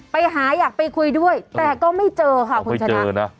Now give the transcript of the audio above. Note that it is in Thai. ไปหาอยากไปคุยด้วยแต่ก็ไม่เจอค่ะคุณฉนักไม่เจอน่ะ